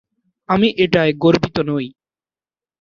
আমি এটায় গর্বিত নই।